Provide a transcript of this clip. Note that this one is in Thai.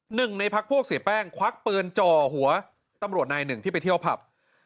หนึ่งในพักพวกเสียแป้งควักปืนจ่อหัวตำรวจนายหนึ่งที่ไปเที่ยวผับ